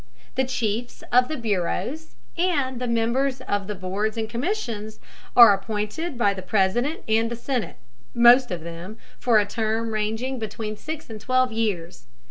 The chiefs of the bureaus and the members of the boards and commissions are appointed by the President and the Senate, most of them for a term ranging between six and twelve years.